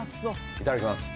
・いただきやす！